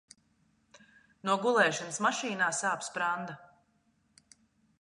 No gulēšanas mašīnā sāp spranda.